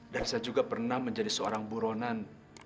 dan saya juga pernah menjadi seorang buronan